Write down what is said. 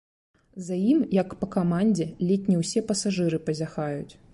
За ім, як па камандзе, ледзь не ўсе пасажыры пазяхаюць.